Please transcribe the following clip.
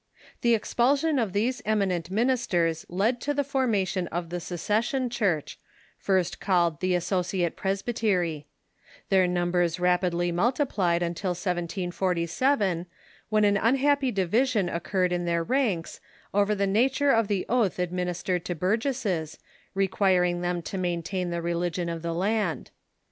The expulsion of these eminent ministers led to the formation of the Secession Church, first called the Associate Presbyter^^ Their numbers rapidh^ mul tiplied until 1747, when an unhappy division occurred in their ranks over the nature of the oath administered to burgesses, requiring them to maintain the religion of the land.